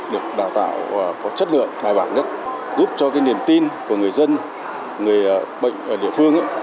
được đào tạo có chất lượng bài bản nhất giúp cho cái niềm tin của người dân người bệnh ở địa phương